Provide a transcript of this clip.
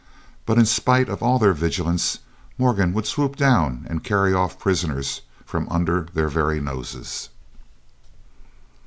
But in spite of all their vigilance, Morgan would swoop down and carry off prisoners from under their very noses.